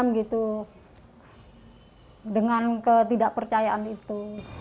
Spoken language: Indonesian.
saya masih memendah dengan ketidakpercayaan itu